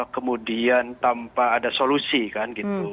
kemudian tanpa ada solusi kan gitu